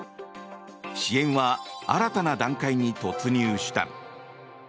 支援は新たな段階に突入した。